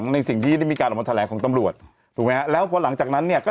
ทีนี้ในมุมของเพื่อนของจังโม